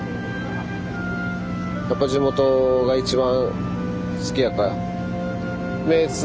やっぱ地元が一番好きやかい。